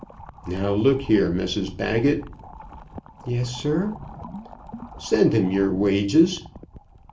"Now, look here, Mrs Baggett." "Yes, sir." "Send him your wages."